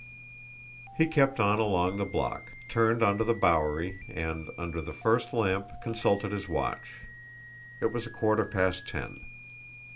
He kept on along the block, turned into the Bowery, and, under the first lamp, consulted his watch. It was a quarter past ten.